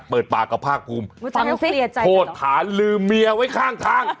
เปิดปากกับภาคภูมิเสียใจโทษฐานลืมเมียไว้ข้างทาง